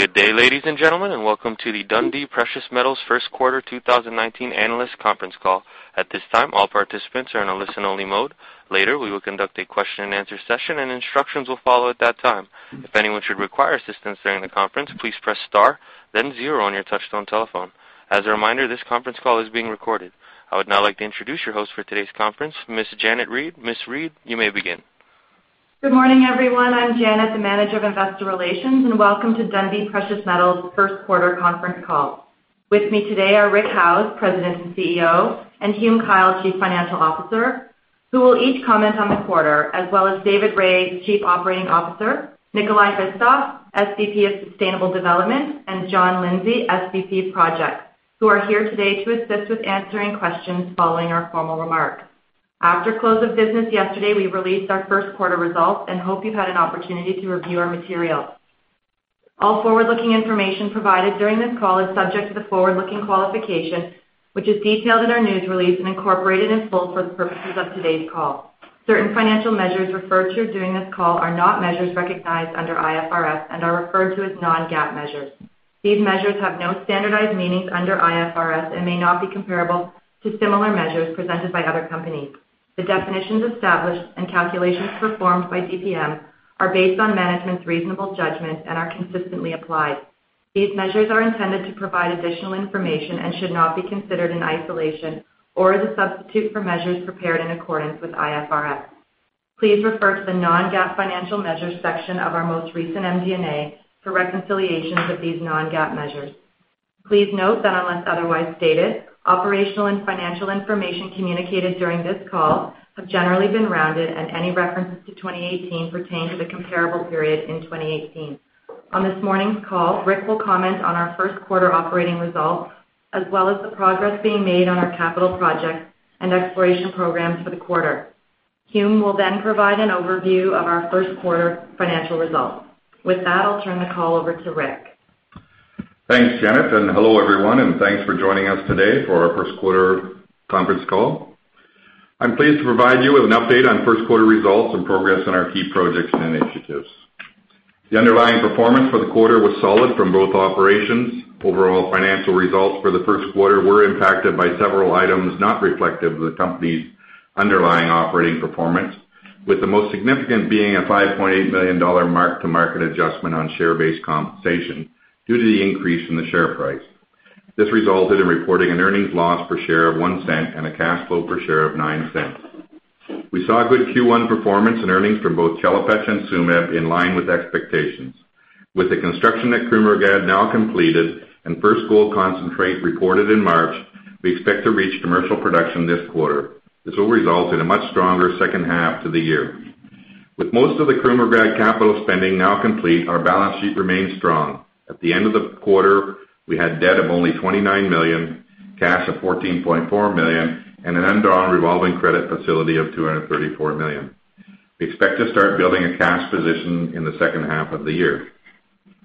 Good day, ladies and gentlemen, welcome to the Dundee Precious Metals first quarter 2019 analyst conference call. At this time, all participants are in a listen-only mode. Later, we will conduct a question and answer session and instructions will follow at that time. If anyone should require assistance during the conference, please press star then 0 on your touch-tone telephone. As a reminder, this conference call is being recorded. I would now like to introduce your host for today's conference, Ms. Janet Reid. Ms. Reid, you may begin. Good morning, everyone. I'm Janet, the Manager of Investor Relations, welcome to Dundee Precious Metals' first quarter conference call. With me today are Rick Howes, President and CEO, and Hume Kyle, Chief Financial Officer, who will each comment on the quarter, as well as David Rae, Chief Operating Officer, Nikolay Hristov, SVP of Sustainable Development, and John Lindsay, SVP of Projects, who are here today to assist with answering questions following our formal remarks. After close of business yesterday, we released our first quarter results and hope you've had an opportunity to review our material. All forward-looking information provided during this call is subject to the forward-looking qualification, which is detailed in our news release and incorporated in full for the purposes of today's call. Certain financial measures referred to during this call are not measures recognized under IFRS and are referred to as non-GAAP measures. These measures have no standardized meanings under IFRS and may not be comparable to similar measures presented by other companies. The definitions established and calculations performed by DPM are based on management's reasonable judgment and are consistently applied. These measures are intended to provide additional information and should not be considered in isolation or as a substitute for measures prepared in accordance with IFRS. Please refer to the non-GAAP financial measures section of our most recent MD&A for reconciliations of these non-GAAP measures. Please note that unless otherwise stated, operational and financial information communicated during this call have generally been rounded, and any references to 2018 pertain to the comparable period in 2018. On this morning's call, Rick will comment on our first quarter operating results, as well as the progress being made on our capital projects and exploration programs for the quarter. Hume will provide an overview of our first quarter financial results. With that, I'll turn the call over to Rick. Thanks, Janet. Hello everyone, and thanks for joining us today for our first quarter conference call. I'm pleased to provide you with an update on first quarter results and progress on our key projects and initiatives. The underlying performance for the quarter was solid from both operations. Overall financial results for the first quarter were impacted by several items not reflective of the company's underlying operating performance, with the most significant being a $5.8 million mark-to-market adjustment on share-based compensation due to the increase in the share price. This resulted in reporting an earnings loss per share of $0.01 and a cash flow per share of $0.09. We saw good Q1 performance and earnings from both Chelopech and Tsumeb in line with expectations. With the construction at Krumovgrad now completed and first gold concentrate reported in March, we expect to reach commercial production this quarter. This will result in a much stronger second half to the year. With most of the Krumovgrad capital spending now complete, our balance sheet remains strong. At the end of the quarter, we had debt of only $29 million, cash of $14.4 million, and an undrawn revolving credit facility of $234 million. We expect to start building a cash position in the second half of the year.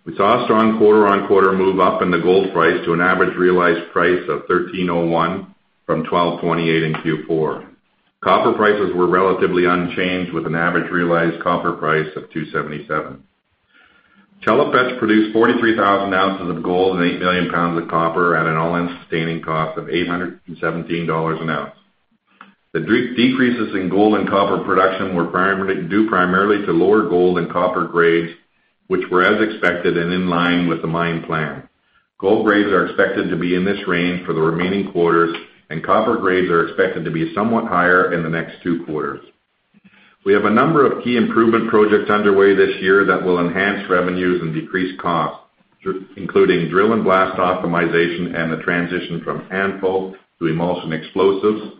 We saw a strong quarter-on-quarter move up in the gold price to an average realized price of $1,301 from $1,228 in Q4. Copper prices were relatively unchanged, with an average realized copper price of $2.77. Chelopech produced 43,000 ounces of gold and 8 million pounds of copper at an all-in sustaining cost of $817 an ounce. The decreases in gold and copper production were due primarily to lower gold and copper grades, which were as expected and in line with the mine plan. Gold grades are expected to be in this range for the remaining quarters, and copper grades are expected to be somewhat higher in the next two quarters. We have a number of key improvement projects underway this year that will enhance revenues and decrease costs, including drill and blast optimization and the transition from ANFO to emulsion explosives,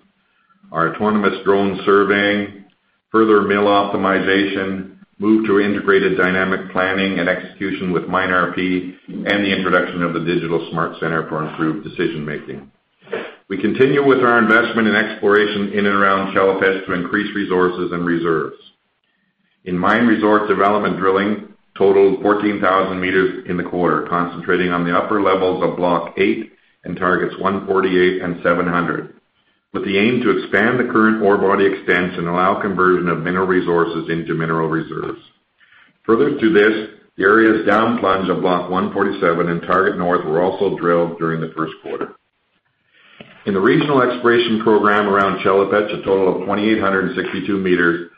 our autonomous drone surveying, further mill optimization, move to integrated dynamic planning and execution with MineRP, and the introduction of the digital smart center for improved decision-making. We continue with our investment in exploration in and around Chelopech to increase resources and reserves. In mine resource development, drilling totaled 14,000 meters in the quarter, concentrating on the upper levels of Block 8 and targets 148 and 700, with the aim to expand the current ore body extents and allow conversion of mineral resources into mineral reserves. Further to this, the area's down plunge of Block 147 and Target North were also drilled during the first quarter. In the regional exploration program around Chelopech, a total of 2,862 meters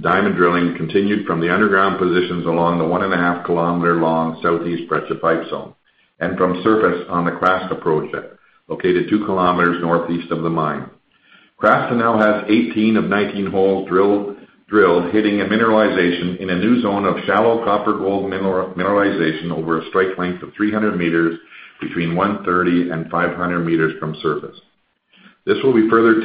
diamond drilling continued from the underground positions along the one and a half kilometer long southeast Precipice zone and from surface on the Krasta project, located 2 kilometers northeast of the mine. Krasta now has 18 of 19 holes drilled, hitting a mineralization in a new zone of shallow copper gold mineralization over a strike length of 300 meters between 130 and 500 meters from surface. At Tsumeb,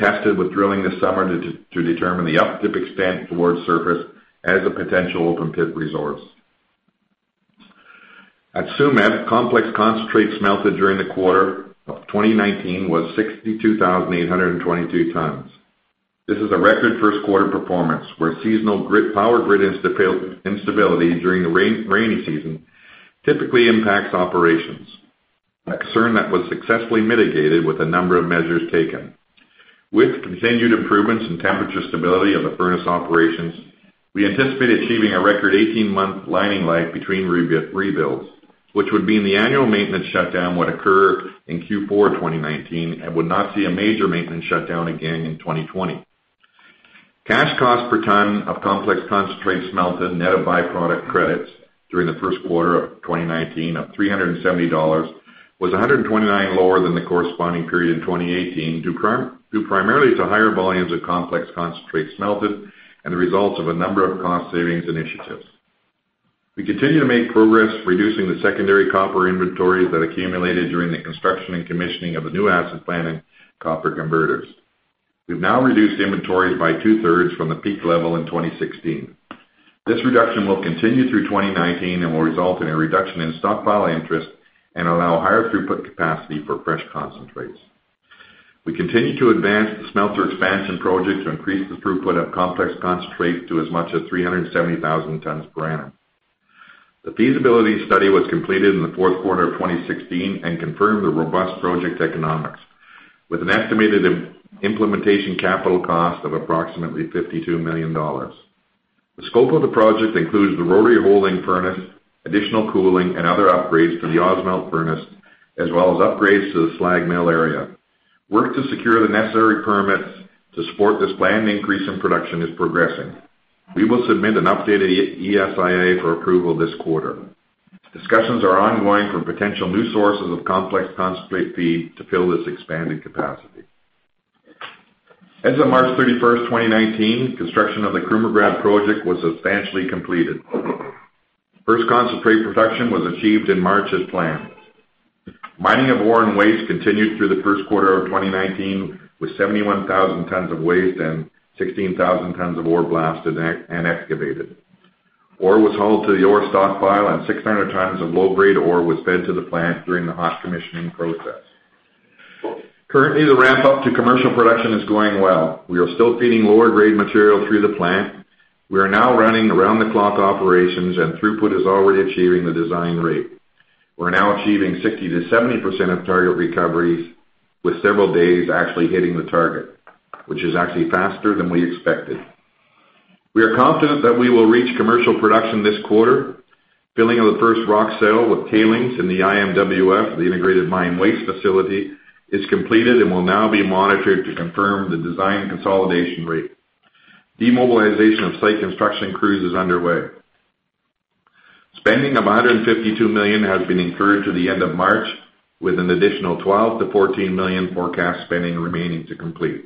complex concentrates melted during the quarter of 2019 was 62,822 tons. This is a record first quarter performance, where seasonal power grid instability during the rainy season typically impacts operations. A concern that was successfully mitigated with a number of measures taken. With continued improvements in temperature stability of the furnace operations, we anticipate achieving a record 18-month lining life between rebuilds, which would mean the annual maintenance shutdown would occur in Q4 2019 and would not see a major maintenance shutdown again in 2020. Cash cost per ton of complex concentrates smelted net of byproduct credits during the first quarter of 2019, of $370, was $129 lower than the corresponding period in 2018, due primarily to higher volumes of complex concentrates smelted and the results of a number of cost savings initiatives. We continue to make progress reducing the secondary copper inventories that accumulated during the construction and commissioning of the new acid plant and copper converters. We've now reduced inventories by two-thirds from the peak level in 2016. This reduction will continue through 2019 and will result in a reduction in stockpile interest and allow higher throughput capacity for fresh concentrates. We continue to advance the smelter expansion project to increase the throughput of complex concentrate to as much as 370,000 tons per annum. The feasibility study was completed in the fourth quarter of 2016 and confirmed the robust project economics, with an estimated implementation capital cost of approximately $52 million. The scope of the project includes the rotary holding furnace, additional cooling, and other upgrades to the Ausmelt furnace, as well as upgrades to the slag mill area. Work to secure the necessary permits to support this planned increase in production is progressing. We will submit an updated ESIA for approval this quarter. Discussions are ongoing for potential new sources of complex concentrate feed to fill this expanding capacity. As of March 31st, 2019, construction of the Krumovgrad project was substantially completed. First concentrate production was achieved in March as planned. Mining of ore and waste continued through the first quarter of 2019, with 71,000 tons of waste and 16,000 tons of ore blasted and excavated. Ore was hauled to the ore stockpile, and 600 tons of low-grade ore was fed to the plant during the hot commissioning process. Currently, the ramp-up to commercial production is going well. We are still feeding lower-grade material through the plant. We are now running around-the-clock operations, and throughput is already achieving the design rate. We're now achieving 60%-70% of target recoveries, with several days actually hitting the target, which is actually faster than we expected. We are confident that we will reach commercial production this quarter. Filling of the first rock cell with tailings in the IMWF, the Integrated Mine Waste Facility, is completed and will now be monitored to confirm the design consolidation rate. Demobilization of site construction crews is underway. Spending of $152 million has been incurred to the end of March, with an additional $12 million-$14 million forecast spending remaining to complete.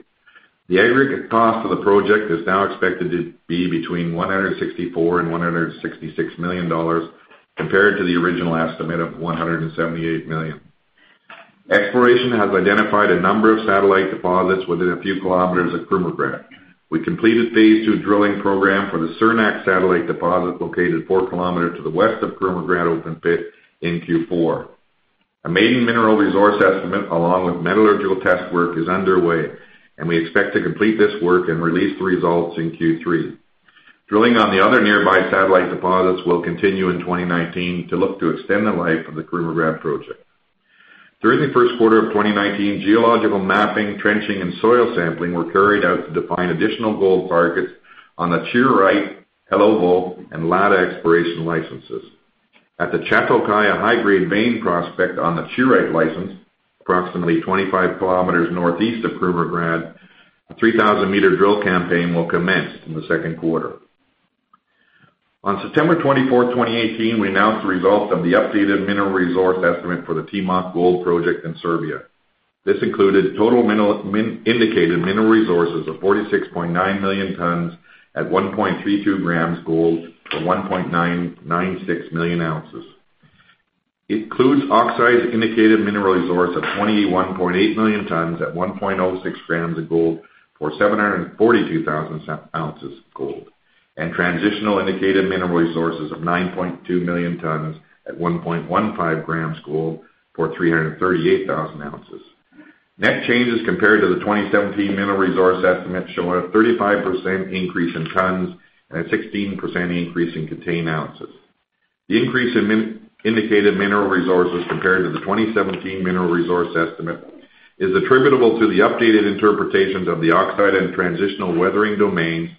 The aggregate cost of the project is now expected to be between $164 million and $166 million, compared to the original estimate of $178 million. Exploration has identified a number of satellite deposits within a few kilometers of Krumovgrad. We completed phase two drilling program for the Sarnak satellite deposit located four kilometers to the west of Krumovgrad open pit in Q4. A maiden mineral resource estimate, along with metallurgical test work, is underway, and we expect to complete this work and release the results in Q3. Drilling on the other nearby satellite deposits will continue in 2019 to look to extend the life of the Krumovgrad project. During the first quarter of 2019, geological mapping, trenching, and soil sampling were carried out to define additional gold targets on the Chiirite, Elhovo, and Lada exploration licenses. At the Chatokaya high-grade vein prospect on the Chiirite license, approximately 25 km northeast of Krumovgrad, a 3,000-meter drill campaign will commence in the second quarter. On September 24th, 2018, we announced the results of the updated mineral resource estimate for the Timok Gold Project in Serbia. This included total indicated mineral resources of 46.9 million tons at 1.32 grams gold for 1.96 million ounces. It includes oxide indicated mineral resource of 21.8 million tons at 1.06 grams of gold for 742,000 ounces of gold, and transitional indicated mineral resources of 9.2 million tons at 1.15 grams gold for 338,000 ounces. Net changes compared to the 2017 mineral resource estimate show a 35% increase in tons and a 16% increase in contained ounces. The increase in indicated mineral resources compared to the 2017 mineral resource estimate is attributable to the updated interpretations of the oxide and transitional weathering domains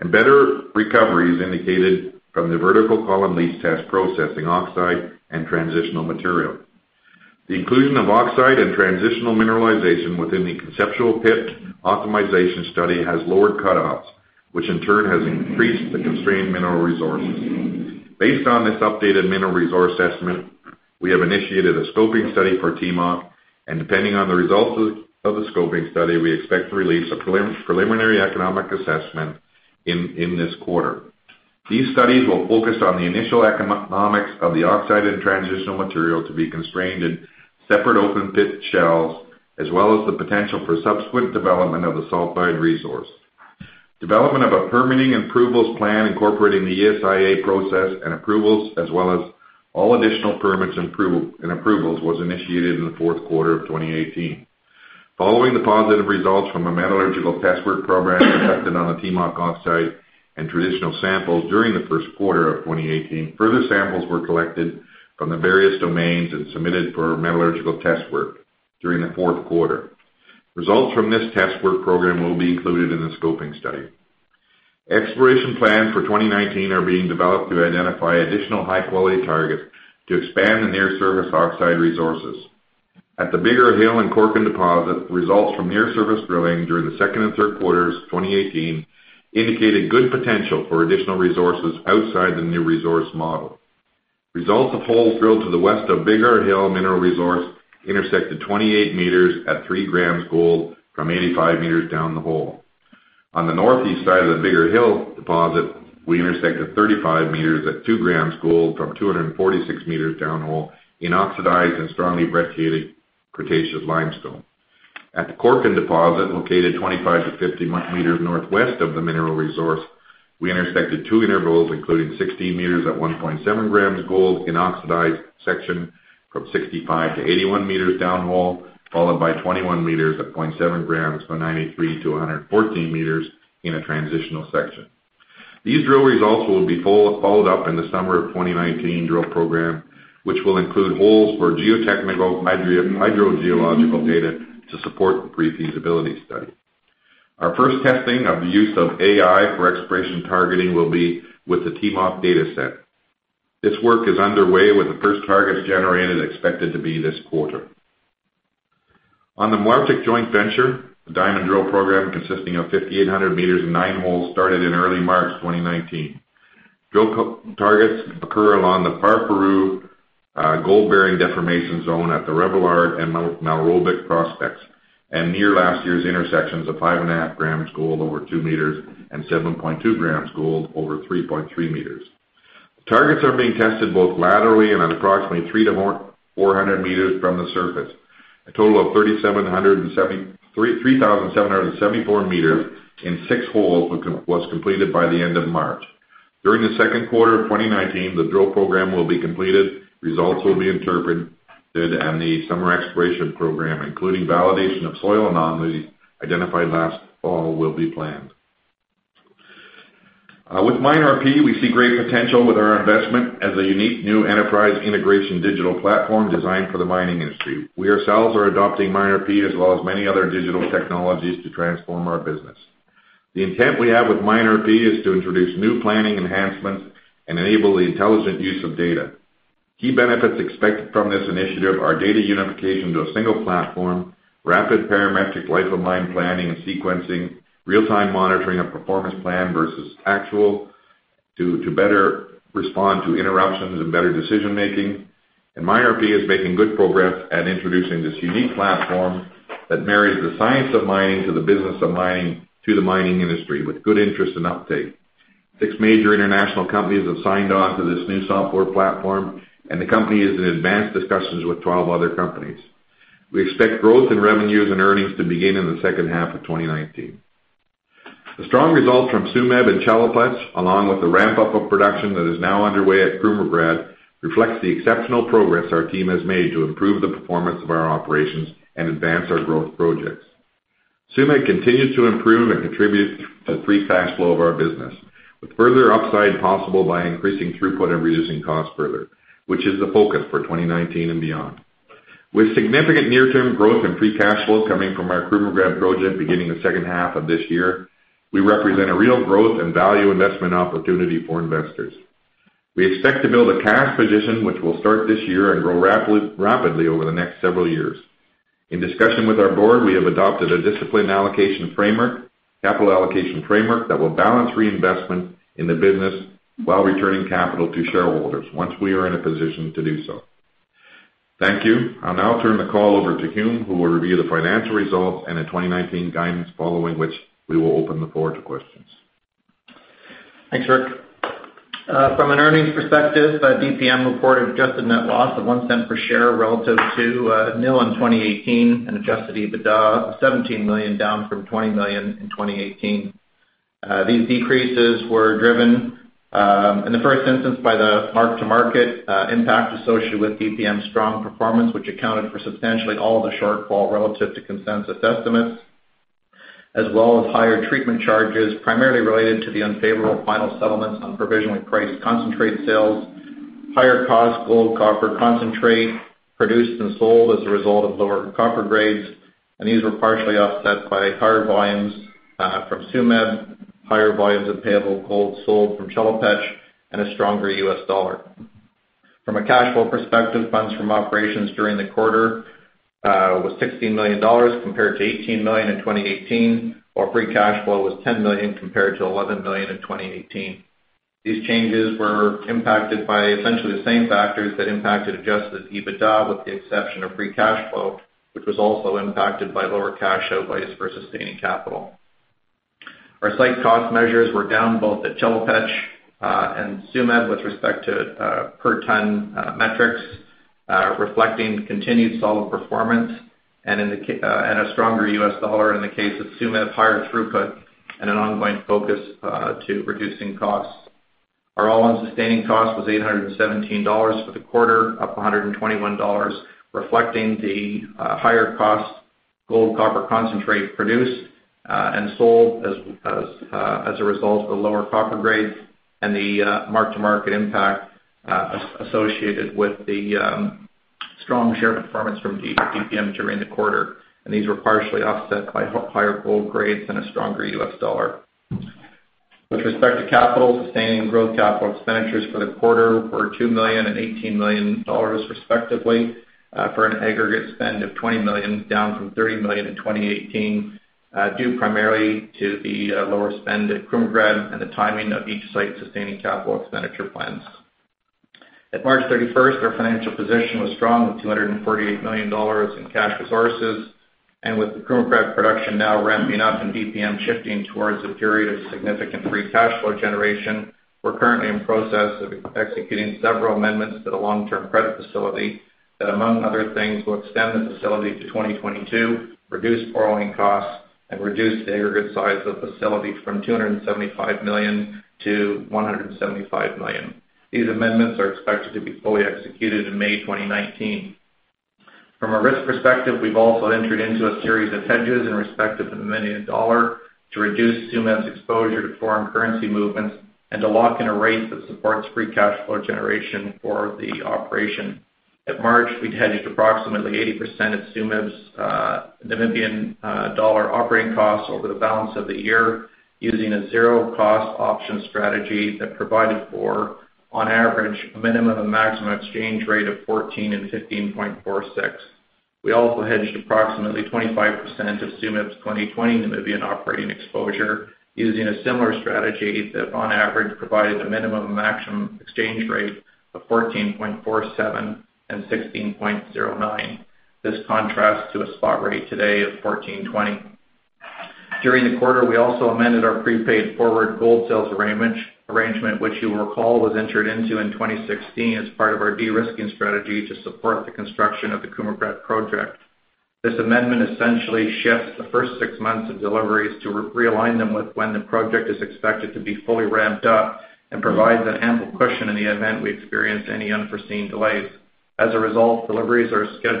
and better recoveries indicated from the vertical column leach test processing oxide and transitional material. The inclusion of oxide and transitional mineralization within the conceptual pit optimization study has lowered cutoffs, which in turn has increased the constrained mineral resources. Based on this updated mineral resource estimate, we have initiated a scoping study for Timok. Depending on the results of the scoping study, we expect to release a preliminary economic assessment in this quarter. These studies will focus on the initial economics of the oxide and transitional material to be constrained in separate open pit shells, as well as the potential for subsequent development of the sulfide resource. Development of a permitting approvals plan incorporating the ESIA process and approvals as well as all additional permits and approvals was initiated in the fourth quarter of 2018. Following the positive results from a metallurgical test work program conducted on the Timok oxide and transitional samples during the first quarter of 2018, further samples were collected from the various domains and submitted for metallurgical test work during the fourth quarter. Results from this test work program will be included in the scoping study. Exploration plans for 2019 are being developed to identify additional high-quality targets to expand the near-surface oxide resources. At the Bigar Hill and Korkan deposit, results from near-surface drilling during the second and third quarters of 2018 indicated good potential for additional resources outside the new resource model. Results of holes drilled to the west of Bigar Hill mineral resource intersected 28 meters at three grams gold from 85 meters down the hole. On the northeast side of the Bigar Hill deposit, we intersected 35 meters at two grams gold from 246 meters downhole in oxidized and strongly brecciated Cretaceous limestone. At the Korkan deposit, located 25-50 meters northwest of the mineral resource, we intersected two intervals, including 60 meters at 1.7 grams gold in oxidized section from 65-81 meters downhole, followed by 21 meters at 0.7 grams from 93-114 meters in a transitional section. These drill results will be followed up in the summer of 2019 drill program, which will include holes for geotechnical hydrogeological data to support the pre-feasibility study. Our first testing of the use of AI for exploration targeting will be with the Timok data set. This work is underway with the first targets generated expected to be this quarter. On the Malartic joint venture, the diamond drill program, consisting of 5,800 meters and nine holes, started in early March 2019. Drill targets occur along the Parfouru gold-bearing deformation zone at the Revillard and Malrobic prospects and near last year's intersections of 5.5 grams gold over two meters and 7.2 grams gold over 3.3 meters. Targets are being tested both laterally and at approximately 300-400 meters from the surface. A total of 3,774 meters in six holes was completed by the end of March. During the second quarter of 2019, the drill program will be completed, results will be interpreted, and the summer exploration program, including validation of soil anomalies identified last fall, will be planned. With MineRP, we see great potential with our investment as a unique new enterprise integration digital platform designed for the mining industry. We ourselves are adopting MineRP as well as many other digital technologies to transform our business. The intent we have with MineRP is to introduce new planning enhancements and enable the intelligent use of data. Key benefits expected from this initiative are data unification to a single platform, rapid parametric life-of-mine planning and sequencing, real-time monitoring of performance plan versus actual to better respond to interruptions and better decision-making. MineRP is making good progress at introducing this unique platform that marries the science of mining to the business of mining to the mining industry with good interest and uptake. Six major international companies have signed on to this new software platform, and the company is in advanced discussions with 12 other companies. We expect growth in revenues and earnings to begin in the second half of 2019. The strong results from Tsumeb and Chelopech, along with the ramp-up of production that is now underway at Krumovgrad, reflects the exceptional progress our team has made to improve the performance of our operations and advance our growth projects. Tsumeb continues to improve and contribute to the free cash flow of our business, with further upside possible by increasing throughput and reducing costs further, which is the focus for 2019 and beyond. With significant near-term growth in free cash flow coming from our Krumovgrad project beginning the second half of this year, we represent a real growth and value investment opportunity for investors. We expect to build a cash position, which will start this year and grow rapidly over the next several years. In discussion with our board, we have adopted a disciplined capital allocation framework that will balance reinvestment in the business while returning capital to shareholders once we are in a position to do so. Thank you. I will now turn the call over to Hume, who will review the financial results and the 2019 guidance, following which we will open the floor to questions. Thanks, Rick. From an earnings perspective, DPM reported adjusted net loss of $0.01 per share relative to nil in 2018 and adjusted EBITDA of $17 million, down from $20 million in 2018. These decreases were driven in the first instance by the mark-to-market impact associated with DPM's strong performance, which accounted for substantially all the shortfall relative to consensus estimates, as well as higher treatment charges, primarily related to the unfavorable final settlements on provisionally priced concentrate sales, higher-cost gold copper concentrate produced and sold as a result of lower copper grades. These were partially offset by higher volumes from Tsumeb, higher volumes of payable gold sold from Chelopech, and a stronger U.S. dollar. From a cash flow perspective, funds from operations during the quarter was $16 million compared to $18 million in 2018, while free cash flow was $10 million compared to $11 million in 2018. These changes were impacted by essentially the same factors that impacted adjusted EBITDA, with the exception of free cash flow, which was also impacted by lower cash outlays for sustaining capital. Our site cost measures were down both at Chelopech and Tsumeb with respect to per-ton metrics, reflecting continued solid performance and a stronger U.S. dollar in the case of Tsumeb, higher throughput, and an ongoing focus to reducing costs. Our all-in sustaining cost was $817 for the quarter, up $121, reflecting the higher-cost gold copper concentrate produced and sold as a result of the lower copper grades and the mark-to-market impact associated with the strong share performance from DPM during the quarter. These were partially offset by higher gold grades and a stronger U.S. dollar. With respect to capital, sustaining growth capital expenditures for the quarter were $2 million and $18 million respectively for an aggregate spend of $20 million, down from $30 million in 2018, due primarily to the lower spend at Krumovgrad and the timing of each site's sustaining capital expenditure plans. At March 31st, our financial position was strong with $248 million in cash resources. With the Krumovgrad production now ramping up and DPM shifting towards a period of significant free cash flow generation, we are currently in process of executing several amendments to the long-term credit facility that, among other things, will extend the facility to 2022, reduce borrowing costs, and reduce the aggregate size of the facility from $275 million to $175 million. These amendments are expected to be fully executed in May 2019. From a risk perspective, we've also entered into a series of hedges in respect of the Namibian dollar to reduce Tsumeb's exposure to foreign currency movements and to lock in a rate that supports free cash flow generation for the operation. At March, we'd hedged approximately 80% of Tsumeb's Namibian dollar operating costs over the balance of the year, using a zero-cost option strategy that provided for, on average, a minimum and maximum exchange rate of NAD 14 and NAD 15.46. We also hedged approximately 25% of Tsumeb's 2020 Namibian operating exposure using a similar strategy that, on average, provided a minimum and maximum exchange rate of NAD 14.47 and NAD 16.09. This contrasts to a spot rate today of NAD 14.20. During the quarter, we also amended our prepaid forward gold sales arrangement, which you will recall was entered into in 2016 as part of our de-risking strategy to support the construction of the Krumovgrad Project. This amendment essentially shifts the first six months of deliveries to realign them with when the project is expected to be fully ramped up and provides an ample cushion in the event we experience any unforeseen delays. As a result, deliveries that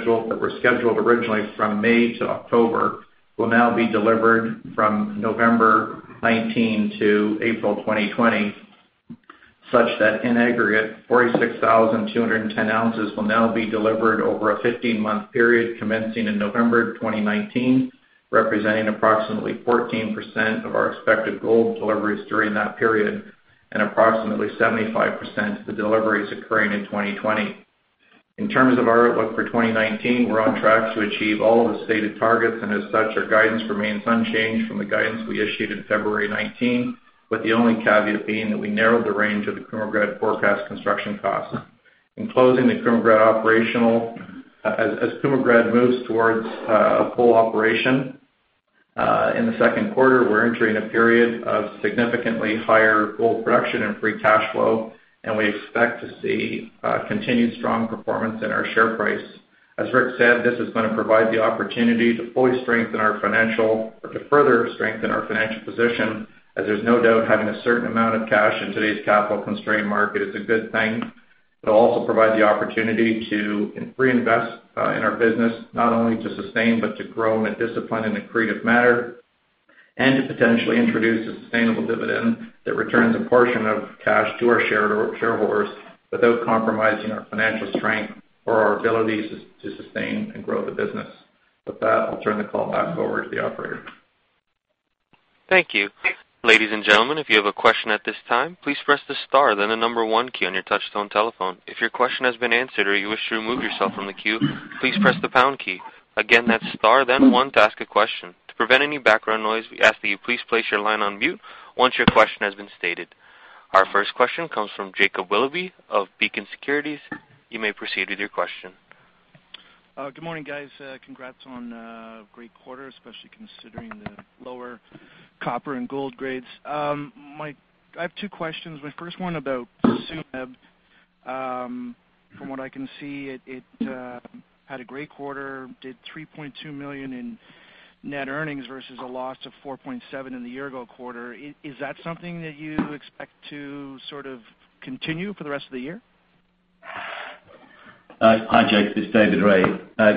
were scheduled originally from May to October, will now be delivered from November 2019 to April 2020, such that in aggregate, 46,210 ounces will now be delivered over a 15-month period commencing in November 2019, representing approximately 14% of our expected gold deliveries during that period, and approximately 75% of the deliveries occurring in 2020. In terms of our outlook for 2019, we're on track to achieve all of the stated targets. As such, our guidance remains unchanged from the guidance we issued in February 2019, with the only caveat being that we narrowed the range of the Krumovgrad forecast construction costs. In closing the Krumovgrad operational, as Krumovgrad moves towards a full operation in the second quarter, we're entering a period of significantly higher gold production and free cash flow, and we expect to see continued strong performance in our share price. As Rick said, this is going to provide the opportunity to further strengthen our financial position, as there's no doubt having a certain amount of cash in today's capital constrained market is a good thing. It'll also provide the opportunity to re-invest in our business, not only to sustain, but to grow in a disciplined and accretive manner, to potentially introduce a sustainable dividend that returns a portion of cash to our shareholders without compromising our financial strength or our ability to sustain and grow the business. With that, I'll turn the call back over to the operator. Thank you. Ladies and gentlemen, if you have a question at this time, please press the star then the number one key on your touch tone telephone. If your question has been answered or you wish to remove yourself from the queue, please press the pound key. Again, that's star then one to ask a question. To prevent any background noise, we ask that you please place your line on mute once your question has been stated. Our first question comes from Jacob Willoughby of Beacon Securities. You may proceed with your question. Good morning, guys. Congrats on a great quarter, especially considering the lower copper and gold grades. I have two questions. My first one about Tsumeb. From what I can see, it had a great quarter, did $3.2 million in net earnings versus a loss of $4.7 in the year ago quarter. Is that something that you expect to sort of continue for the rest of the year? Hi, Jake, it's David Rae.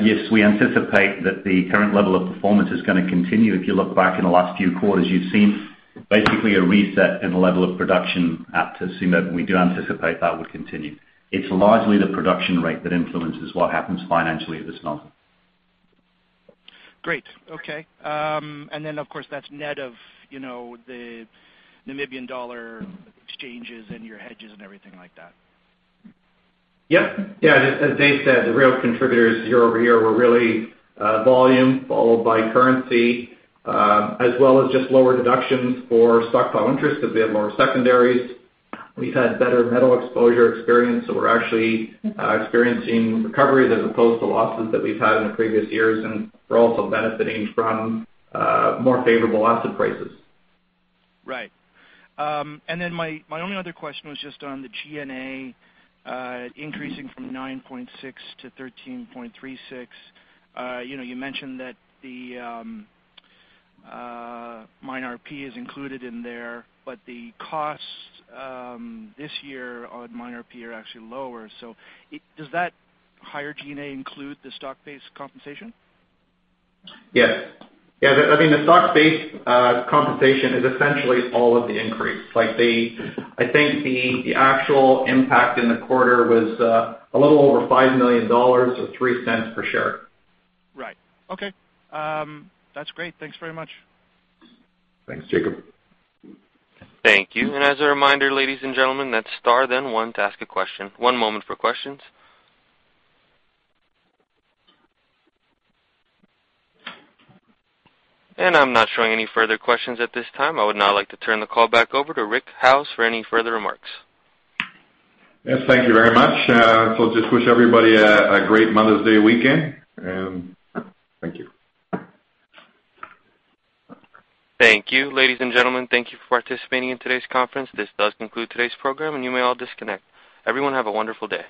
Yes, we anticipate that the current level of performance is going to continue. If you look back in the last few quarters, you've seen basically a reset in the level of production at Tsumeb. We do anticipate that will continue. It's largely the production rate that influences what happens financially at this mine. Great. Okay. Then, of course, that's net of the Namibian dollar exchanges and your hedges and everything like that. Yes. As Dave said, the real contributors year-over-year were really volume followed by currency, as well as just lower deductions for stockpile interest because we have more secondaries. We've had better metal exposure experience, so we're actually experiencing recoveries as opposed to losses that we've had in the previous years. We're also benefiting from more favorable asset prices. Right. My only other question was just on the G&A increasing from 9.6 to 13.36. You mentioned that the MineRP is included in there, the costs this year on MineRP are actually lower. Does that higher G&A include the stock-based compensation? Yes. The stock-based compensation is essentially all of the increase. I think the actual impact in the quarter was a little over $5 million or $0.03 per share. Right. Okay. That's great. Thanks very much. Thanks, Jacob. Thank you. As a reminder, ladies and gentlemen, that's star then one to ask a question. One moment for questions. I'm not showing any further questions at this time. I would now like to turn the call back over to Rick Howes for any further remarks. Yes, thank you very much. I'll just wish everybody a great Mother's Day weekend. Thank you. Thank you. Ladies and gentlemen, thank you for participating in today's conference. This does conclude today's program, and you may all disconnect. Everyone have a wonderful day.